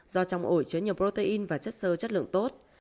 do trong ổ chứa nhiều protein và chất sơ chất lượng tốt